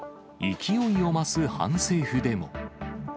勢いを増す反政府デモ。